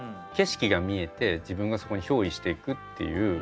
景色が見えて自分がそこにひょう依していくっていう。